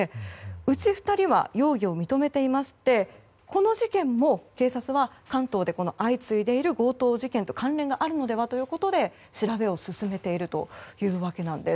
うち２人は容疑を認めていましてこの事件も警察は関東で相次いでいる強盗事件と関連があるのではということで調べを進めているというわけなんです。